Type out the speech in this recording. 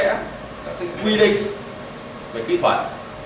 các quy định về kỹ thuật